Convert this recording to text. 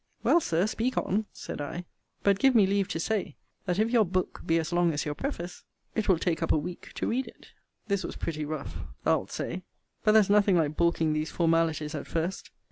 Well, Sir, speak on, said I: but give me leave to say, that if your book be as long as your preface, it will take up a week to read it. This was pretty rough, thou'lt say: but there's nothing like balking these formalities at first.